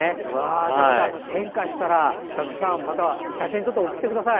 また変化したらサスケさん、また写真を撮って送ってください。